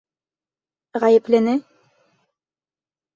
Ғәйеплене...